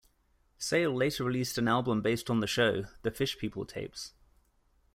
Sayle later released an album based on the show - "The Fish People Tapes".